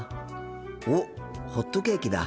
おっホットケーキだ。